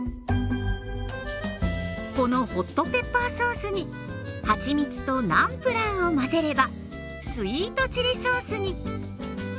このホットペッパーソースにはちみつとナムプラーを混ぜればスイートチリソースに。